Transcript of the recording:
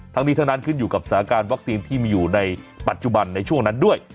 ทั้งนี้ทั้งนั้นขึ้นอยู่กับสถานการณ์วัคซีนที่มีอยู่ในปัจจุบันในช่วงนั้นด้วย